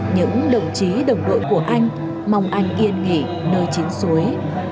những đồng chí đồng đội của anh mong anh yên nghỉ nơi chiến suối